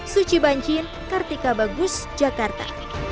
suci banjin kartika bagus jakarta